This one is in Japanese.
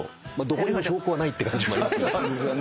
どこにも証拠はないって感じもありますけど。